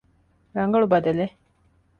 ރަނގަޅު ބަދަލެއް؟